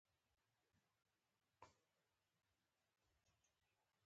اروپا یا نورو هېوادونو ته واردات جاري وو.